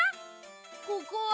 ここは？